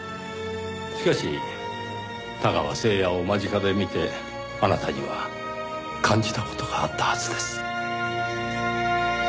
しかし太川誠也を間近で見てあなたには感じた事があったはずです。